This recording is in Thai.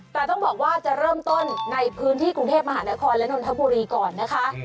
แต่ต้องบอกว่าจะเริ่มต้นในพื้นที่กรุงเทพมหานครและนนทบุรีก่อนนะคะ